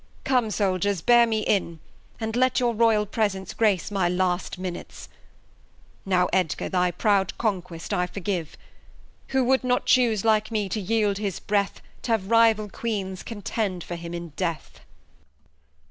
Come, Soldiers, bear me in ; and let Your Royal Presence grace my last Minutes ; Now, Edgar, thy proud Conquest I forgive ; Who wou'd not choose, like me, to yield his Breath T' have Rival Queens contend for him in Death